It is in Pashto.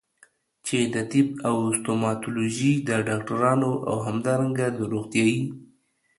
چې د طب او ستوماتولوژي د ډاکټرانو او همدارنګه د روغتيايي